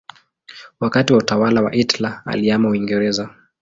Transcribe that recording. Wakati wa utawala wa Hitler alihamia Uingereza.